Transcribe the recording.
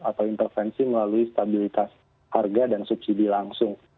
atau intervensi melalui stabilitas harga dan subsidi langsung